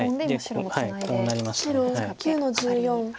白９の十四。